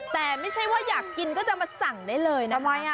แต่ไม่ใช่ว่าอยากกินก็จะมาสั่งได้เลยนะ